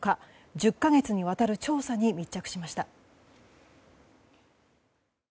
１０か月にわたる調査に密着しました。